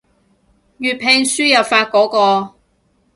粵拼輸入法嗰個